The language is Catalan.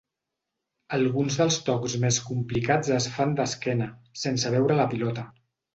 Alguns dels tocs més complicats es fan d'esquena, sense veure la pilota.